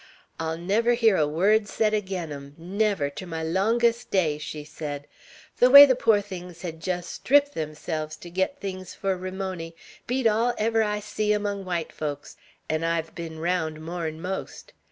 "I'll never hear a word said agin 'em, never, ter my longest day," she said. "The way the pore things hed jest stripped theirselves, to git things fur Ramony, beat all ever I see among white folks, 'n' I've ben raound more'n most.